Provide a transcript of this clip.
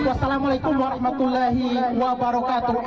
wassalamualaikum warahmatullahi wabarakatuh